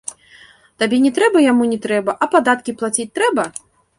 Табе не трэба, яму не трэба, а падаткі плаціць трэба?